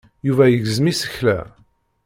Yuba igezzem isekla.